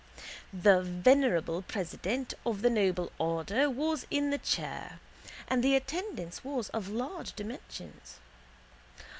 The venerable president of the noble order was in the chair and the attendance was of large dimensions.